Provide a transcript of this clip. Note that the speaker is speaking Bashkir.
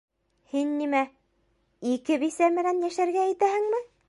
Һин нимә, ике бисә менән йәшәргә итәһеңме?